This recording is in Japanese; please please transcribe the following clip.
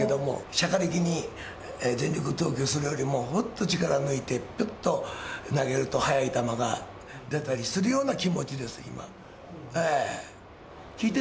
しゃかりきに全力投球するよりも、ふっと力抜いて、ぴゅっと投げると速い球が出たりするような気持ちです、今。